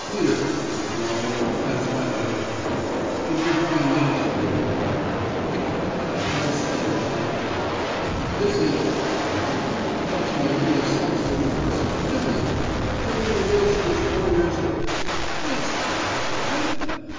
Here; no, that's my letter of credit. It would buy Main Street at home, but I can't get a ham sandwich on it here. This is no; that's my only son's little girl, Emmaline, taken the day she was four years old. Fancy little girl, eh?